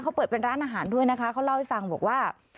เขาเปิดเป็นร้านอาหารด้วยนะคะเขาเล่าให้ฟังบอกว่า